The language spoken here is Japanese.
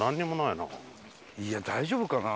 いや大丈夫かな？